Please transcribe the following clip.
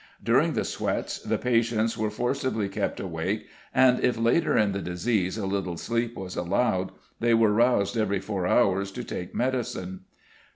During the sweats "the patients were forcibly kept awake," and if later in the disease a little sleep was allowed, they were roused every four hours to take medicine.